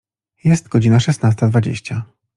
Jest godzina szesnasta dwadzieścia.